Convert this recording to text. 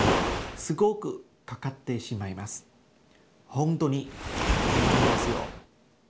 本当に困りますよ。